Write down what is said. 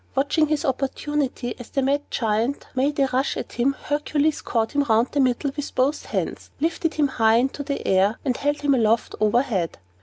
Watching his opportunity, as the mad Giant made a rush at him, Hercules caught him round the middle with both hands, lifted him high into the air, and held him aloft overhead.